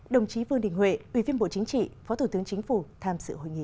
đồng chí vương đình huệ ủy viên bộ chính trị phó thủ tướng chính phủ tham sự hội nghị